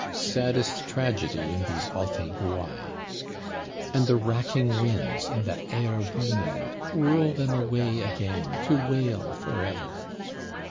Saddest tragedy in these alti guai. And the racking winds, in that aer bruno, whirl them away again, to wail forever!